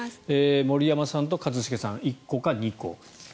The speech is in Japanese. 森山さんと一茂さん１個か２個。